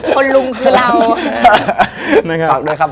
ลุงคือเรา